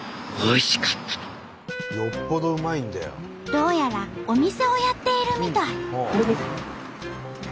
どうやらお店をやっているみたい。